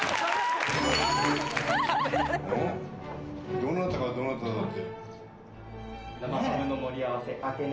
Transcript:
どなたがどなただっけ。